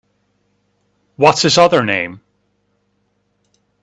What’s his other name?